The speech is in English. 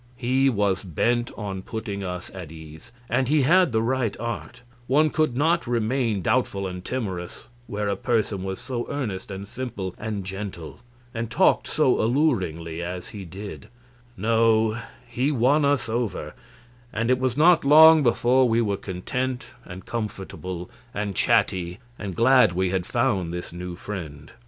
He was bent on putting us at ease, and he had the right art; one could not remain doubtful and timorous where a person was so earnest and simple and gentle, and talked so alluringly as he did; no, he won us over, and it was not long before we were content and comfortable and chatty, and glad we had found this new friend.